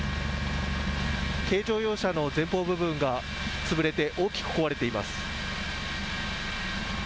軽乗用車の前方部分が潰れて大きく壊れています。